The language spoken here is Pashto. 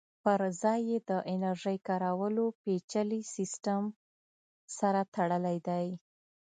پرځای یې د انرژۍ کارولو پېچلي سیسټم سره تړلی دی